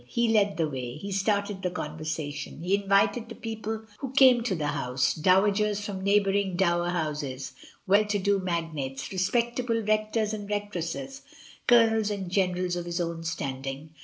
He led the way, he started the conversation, he invited the people who came to the house — dowagers from neighbouring dower houses, well to do magnates, re spectable rectors and rectoresses, colonels and gen erals of his own standing.